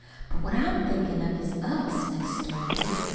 "But what I'm thinkin' of is US, Miss Dorothy.